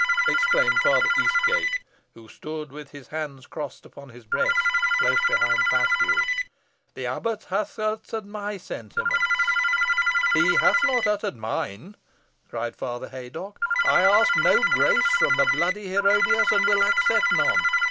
exclaimed Father Eastgate, who stood with his hands crossed upon his breast, close behind Paslew. "The abbot hath uttered my sentiments." "He hath not uttered mine," cried Father Haydocke. "I ask no grace from the bloody Herodias, and will accept none.